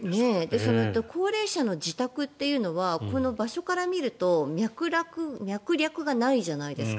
その高齢者の自宅というのは場所から見ると脈絡がないじゃないですか。